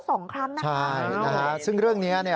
สองครั้งนะคะอ้าวใช่ซึ่งเรื่องนี้